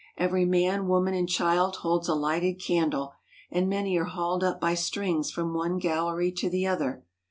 Every man, woman, and child holds a lighted candle, and many are hauled up by strings from one gallery to the other.